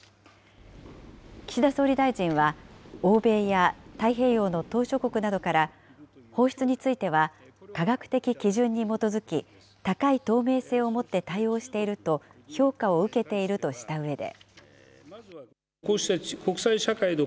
岸田総理大臣は欧米や太平洋の島しょ国などから、放出については科学的基準に基づき高い透明性を持って対応していると評価を受けているとしたうえで。